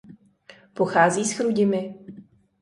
Pochází z Chrudimi.